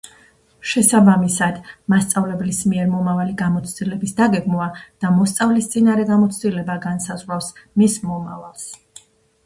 შესაბამისად მასწავლებლის მიერ მომავალი გამოცდილების დაგეგმვა და მოსწავლის წინარე გამოცდილება განსაზღვრავს მის მომავალს.